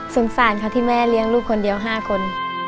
สารค่ะที่แม่เลี้ยงลูกคนเดียว๕คน